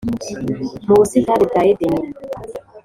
mu busitani bwa edeni.